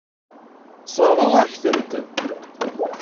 Sseṛɣeɣ-ak-tent.